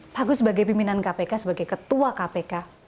bagus sebagai pimpinan kpk sebagai ketua kpk